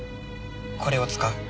これを使う。